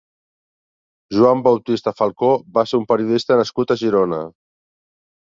Juan Bautista Falcó va ser un periodista nascut a Girona.